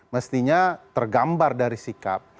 mestinya tergambar dari sikap